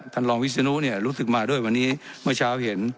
ท่านรองวิศนุเนี่ยรู้สึกมาด้วยวันนี้เมื่อเช้าเห็น